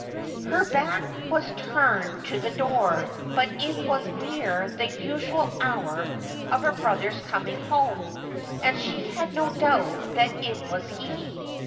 Her back was turned to the door, but it was near the usual hour of her brother's coming home, and she had no doubt that it was he.